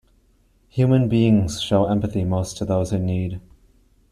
Human beings show empathy most to those in need.